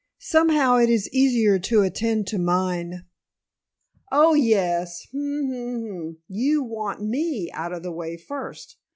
Somehow it is easier to attend to mine " "Oh, yes. Hum m m hum. You want me out of the way first.